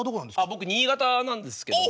僕新潟なんですけど。